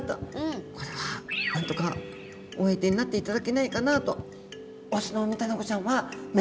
これはなんとかお相手になっていただけないかなと。